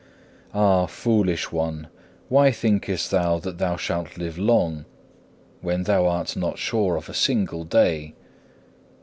7. Ah, foolish one! why thinkest thou that thou shalt live long, when thou art not sure of a single day?